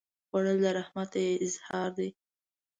خوړل د رحمت اظهار دی